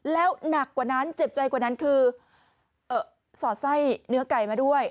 แล้วหนักกว่านั้นเจ็บใจกว่านั้นคือสอดไส้เนื้อไก่มาด้วย